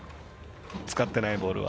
使ってないボールは。